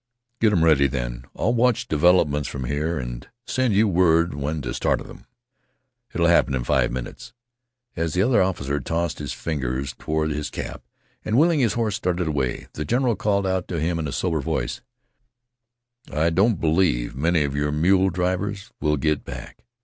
"Get 'em ready, then. I'll watch developments from here, an' send you word when t' start them. It'll happen in five minutes." As the other officer tossed his fingers toward his cap and wheeling his horse, started away, the general called out to him in a sober voice: "I don't believe many of your mule drivers will get back."